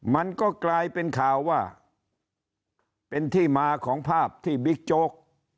มันก็กลายเป็นข่าวว่าเป็นที่มาของภาพที่บิ๊กโจ๊ก